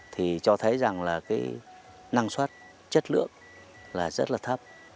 thì cho thấy rằng là cái năng suất chất lượng là rất là thấp